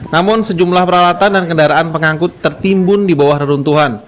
namun sejumlah peralatan dan kendaraan pengangkut tertimbun di bawah reruntuhan